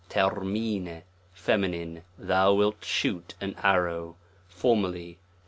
^A C p (feminine) thou f wilt shoot an arrow, formerly ^.